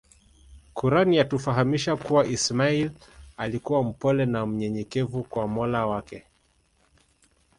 Quran yatufahamisha kuwa ismail alikua mpole na mnyenyekevu kwa mola wake